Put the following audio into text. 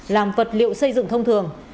làm vật liệu xây dựng thông thường